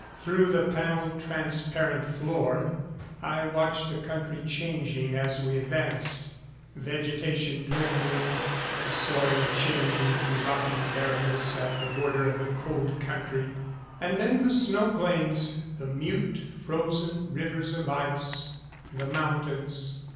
Through the panelled transparent floor, I watched the country changing as we advanced; vegetation dwindling; the soil changing to rocky barrenness at the border of the Cold Country. And then the snow plains, the mute frozen rivers of ice, the mountains.